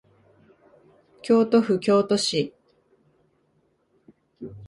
京都府京都市